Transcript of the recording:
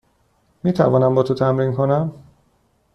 می توانم با تو تمرین کنم؟